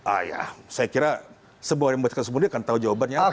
ah ya saya kira sebuah yang membaca kasus munir akan tahu jawabannya apa